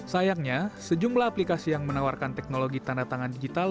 sayangnya sejumlah aplikasi yang menawarkan teknologi tanda tangan digital